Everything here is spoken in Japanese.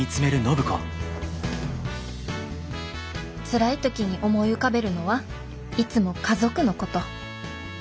つらい時に思い浮かべるのはいつも家族のこと。